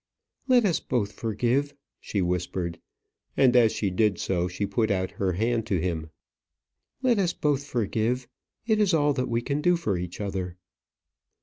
"Let us both forgive," she whispered, and as she did so, she put out her hand to him. "Let us both forgive. It is all that we can do for each other."